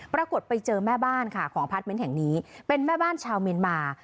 ปรากฏไปเจอแม่บ้านค่ะของพาร์ทเมนต์แห่งนี้เป็นแม่บ้านชาวเมียนมา